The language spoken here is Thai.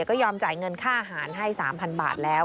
ก็ยอมจ่ายเงินค่าอาหารให้๓๐๐๐บาทแล้ว